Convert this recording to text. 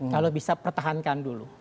kalau bisa pertahankan dulu